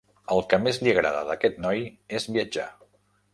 El que més li agrada d'aquest noi és viatjar.